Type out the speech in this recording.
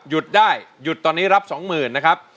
หยุดได้หยุดตอนนี้รับสองหมื่นนะครับ